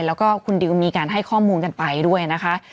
แล้วก็คุณดิวมีการให้ข้อมูลกันไปด้วยนะคะ